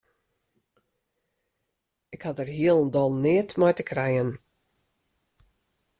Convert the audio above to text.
Ik ha dêr hielendal neat mei te krijen.